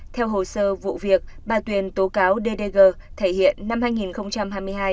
theo hồ sơ vụ việc bà tuyển tố cáo ddg thể hiện năm hai nghìn hai mươi hai